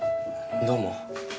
どうも。